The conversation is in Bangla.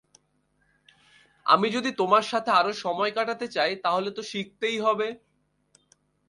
আমি যদি তোমার সাথে আরো সময় কাটাতে চাই, তাহলে তো শিখতেই হবে।